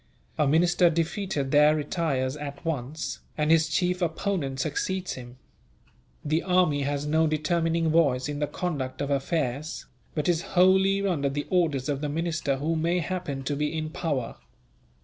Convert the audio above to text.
A minister defeated there retires at once, and his chief opponent succeeds him. The army has no determining voice in the conduct of affairs, but is wholly under the orders of the minister who may happen to be in power.